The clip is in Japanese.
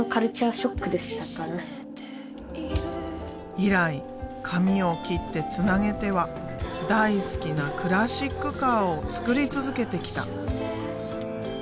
以来紙を切ってつなげては大好きなクラシックカーを作り続けてきた。